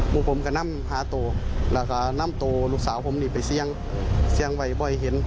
มูผมก็น้ำหาโตแล้วก็น้ำโตลูกสาวผมนี่ไปเซียงเซียงไว้บ่อยเห็น